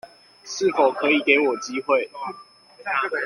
是否可以給我機會